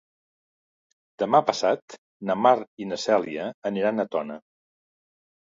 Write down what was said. Demà passat na Mar i na Cèlia aniran a Tona.